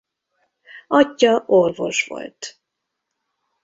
Atyja orvos volt.